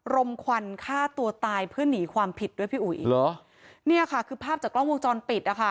รมควันฆ่าตัวตายเพื่อหนีความผิดด้วยพี่อุ๋ยเหรอเนี่ยค่ะคือภาพจากกล้องวงจรปิดนะคะ